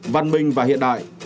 văn minh và hiện đại